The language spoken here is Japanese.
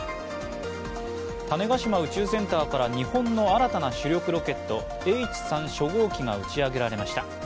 種子島宇宙センターから日本の新たな主力ロケットＨ３初号機が打ち上げられました。